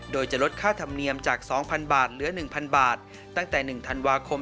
โดยจะลดค่าธรรมเนียมจาก๒๐๐บาทเหลือ๑๐๐บาทตั้งแต่๑ธันวาคม